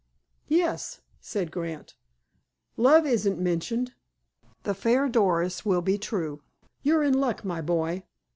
_ "Yes," said Grant. "Love isn't mentioned. The fair Doris will be true. You're in luck, my boy.